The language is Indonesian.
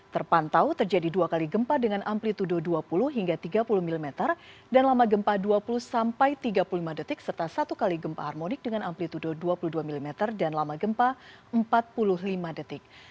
terpantau terjadi dua kali gempa dengan amplitude dua puluh hingga tiga puluh mm dan lama gempa dua puluh sampai tiga puluh lima detik serta satu kali gempa harmonik dengan amplitude dua puluh dua mm dan lama gempa empat puluh lima detik